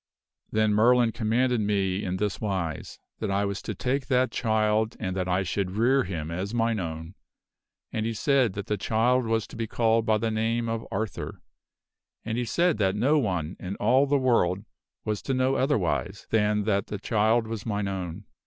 "Then Merlin commanded me in this wise: that I was to take that child and that I should rear him as mine own ; and he said that the child was to be called by the name of Arthur; and he said that no one in all the world was to know otherwise than that the child was mine own.